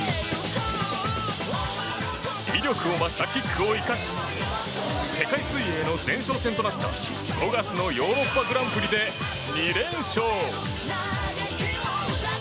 威力を増したキックを生かし世界水泳の前哨戦となった５月のヨーロッパグランプリで２連勝！